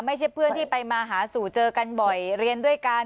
ไม่ใช่เพื่อนที่ไปมาหาสู่เจอกันบ่อยเรียนด้วยกัน